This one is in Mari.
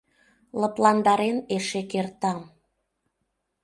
Лыпландарен эше кертам.